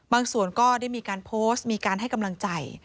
ก็ได้มีการโพสต์มีการให้กำลังใจ